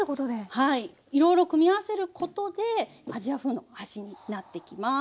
はいいろいろ組み合わせることでアジア風の味になっていきます。